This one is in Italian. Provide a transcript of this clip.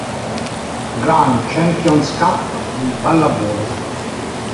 Grand Champions Cup di pallavolo